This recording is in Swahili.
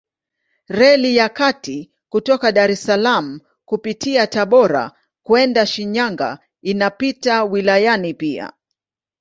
Reli ya kati kutoka Dar es Salaam kupitia Tabora kwenda Shinyanga inapita wilayani pia.